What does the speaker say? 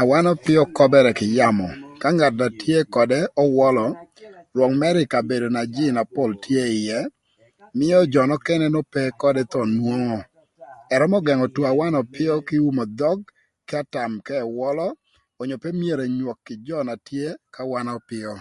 Awöna öpïö köbërë kï yamö ka ngat na tye ködë öwölö rwök mërë ï kabedo na jïï na pol tye ïë mïö jö nökënë n'ope ködë thon nwongo. Ërömö gëngö two awöna öpïö kï umo dhök k'atam ka ëwölö onyo pe myero enywok kï jö na tye ka awöna öpïö.